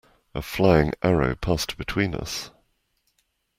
A flying arrow passed between us.